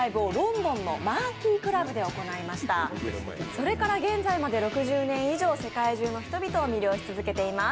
それから現在まで６０年以上世界中の人々を魅了し続けています。